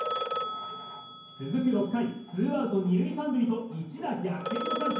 続く６回、ツーアウト２塁３塁と一打逆転のチャンス。